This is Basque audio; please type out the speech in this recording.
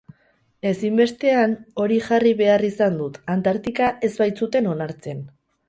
Ezinbestean hori jarri behar izan dut, Antartika ez baitzuten onartzen.